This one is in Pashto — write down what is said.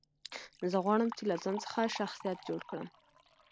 زه غواړم، چي له ځان څخه شخصیت جوړ کړم.